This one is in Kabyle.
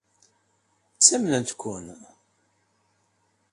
Ttamnent-ken.